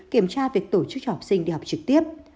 kiểm tra việc tổ chức cho học sinh đi học trực tiếp